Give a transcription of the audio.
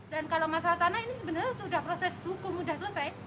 dan kalau masalah tanah ini sebenarnya sudah proses hukum sudah selesai